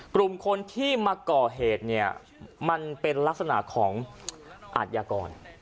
กลุ่มคนที่มาเกาะเหตุมันเป็นลักษณะของอาจยากร